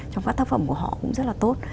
trong các tác phẩm của họ cũng rất là tốt